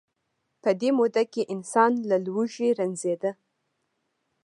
په دې موده کې انسان له لوږې رنځیده.